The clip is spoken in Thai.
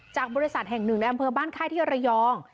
บริษัทแห่งหนึ่งในอำเภอบ้านค่ายที่ระยอง